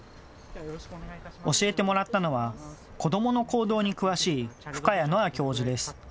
教えてもらったのは子どもの行動に詳しい深谷乃亜教授です。